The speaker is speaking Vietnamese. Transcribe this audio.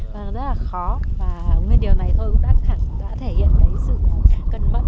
rất là khó và nguyên điều này thôi cũng đã thể hiện cái sự cẩn mẫn